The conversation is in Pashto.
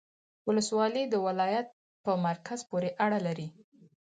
ولسوالۍ د ولایت په مرکز پوري اړه لري